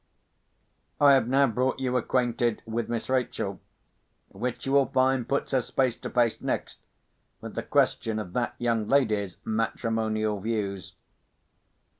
I have now brought you acquainted with Miss Rachel, which you will find puts us face to face, next, with the question of that young lady's matrimonial views.